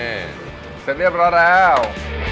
นี่เสร็จเรียบร้อยแล้ว